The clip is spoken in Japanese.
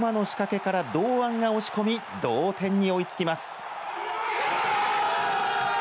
三苫の仕掛けから堂安が押し込み同点に追いつきます。